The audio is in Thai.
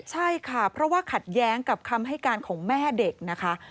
ใช่ค่ะเพราะว่าขัดแย้งกับคำให้การของแม่เด็กนะคะ